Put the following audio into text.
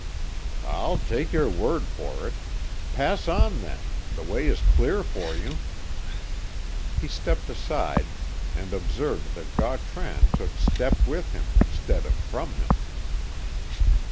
"I'll take your word for it. Pass on, then. The way is clear for you." He stepped aside, and observed that Gautran took step with him instead of from him.